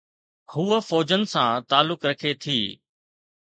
هوءَ فوجن سان تعلق رکي ٿي.